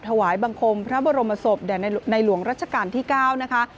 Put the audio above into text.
ถวายบังคมพระบรมศพแด่ในหลวงรัชกาลที่๙นะคะ